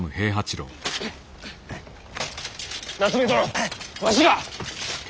夏目殿わしが！